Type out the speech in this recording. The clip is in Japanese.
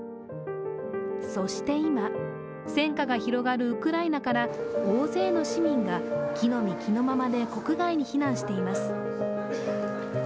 そして今、戦火が広がるウクライナから大勢の市民が着のみ着のままで国外に避難しています。